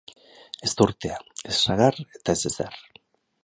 Ezurtea, ez sagar eta ez ezer.